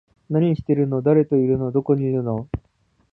何してるの？誰といるの？どこにいるの？